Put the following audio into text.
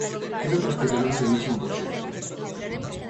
Era practicamente o mesmo proxecto.